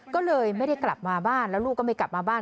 ก็เลยไม่ได้กลับมาบ้านแล้วลูกก็ไม่กลับมาบ้าน